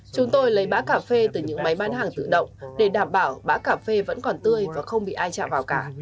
chúng tôi lấy bã cà phê từ những máy bán hàng tự động để đảm bảo bã cà phê vẫn còn tươi và không bị ai chạm vào cả